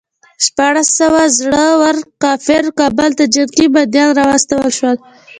شپاړس سوه زړه ور کافر کابل ته جنګي بندیان راوستل شول.